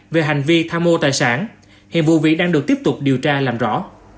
về hành vi tham mô tài sản hiện vụ vị đang được tiếp tục điều tra làm rõ